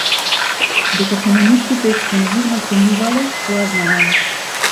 Дека комунистите екстензивно сонувале - тоа знаеме.